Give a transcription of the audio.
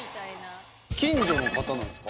近所の方なんですか？